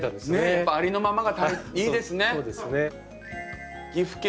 やっぱありのままがいいですね。